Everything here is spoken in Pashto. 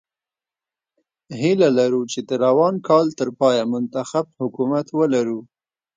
هیله لرو چې د روان کال تر پایه منتخب حکومت ولرو.